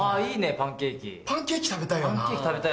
パンケーキ食べたい